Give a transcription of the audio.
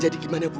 jadi gimana bu